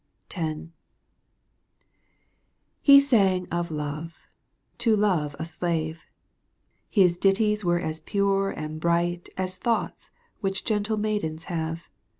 He sang of love — to love a slave. His ditties were as pure and bright As thoughts which gentle maidens have.